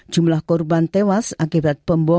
jumlah korban tewas akibat